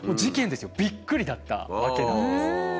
びっくりだったわけなんです。